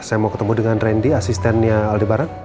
saya mau ketemu dengan randy asistennya aldebaran